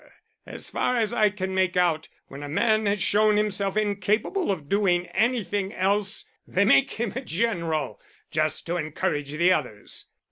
As far as I can make out, when a man has shown himself incapable of doing anything else they make him a general, just to encourage the others.